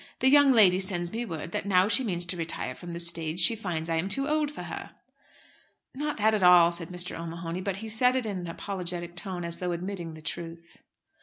The young lady sends me word that now she means to retire from the stage she finds I am too old for her." "Not that at all," said Mr. O'Mahony. But he said it in an apologetic tone, as though admitting the truth.